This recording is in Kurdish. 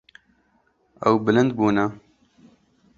Ew bilind bûne.